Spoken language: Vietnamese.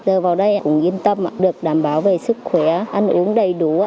giờ vào đây cũng yên tâm được đảm bảo về sức khỏe ăn uống đầy đủ